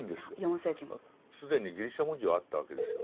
既にギリシャ文字はあったわけですよ。